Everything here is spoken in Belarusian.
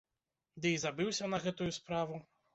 Ды і забыўся на гэтую справу.